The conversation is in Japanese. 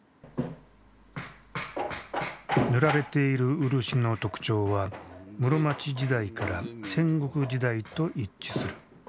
塗られている漆の特徴は室町時代から戦国時代と一致する。